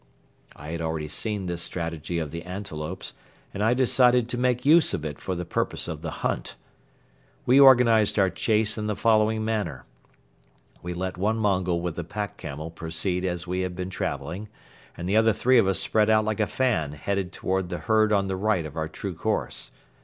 I had already seen this strategy of the antelopes and I decided to make use of it for the purpose of the hunt. We organized our chase in the following manner. We let one Mongol with the pack camel proceed as we had been traveling and the other three of us spread out like a fan headed toward the herd on the right of our true course.